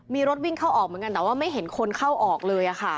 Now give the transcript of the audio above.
มีรถวิ่งเข้าออกเหมือนกันแต่ว่าไม่เห็นคนเข้าออกเลยค่ะ